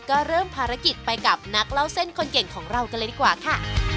ก็เริ่มภารกิจไปกับนักเล่าเส้นคนเก่งของเรากันเลยดีกว่าค่ะ